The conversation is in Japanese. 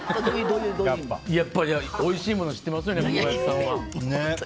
おいしいものを知ってますよね小林さんは。